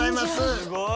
すごい！